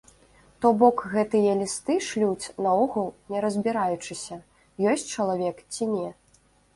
То бок гэтыя лісты шлюць наогул не разбіраючыся, ёсць чалавек ці не.